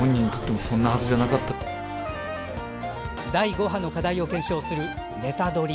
第５波の課題を検証する「ネタドリ！」